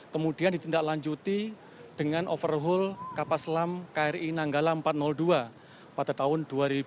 kemudian ditindaklanjuti dengan overhaul kapal selam kri nanggala empat ratus dua pada tahun dua ribu dua puluh